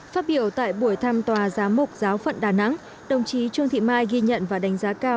phát biểu tại buổi thăm tòa giáo mục giáo phận đà nẵng đồng chí trương thị mai ghi nhận và đánh giá cao